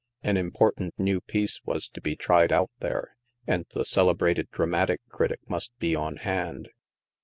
An important new piece was to be tried out there, and the celebrated dramatic critic must be on hand.